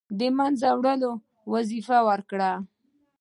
د له منځه وړلو وظیفه ورکړه.